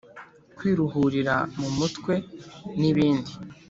kwiruhurira mu mutwe nibindi